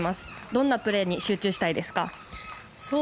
どんなプレーに集中したいですか？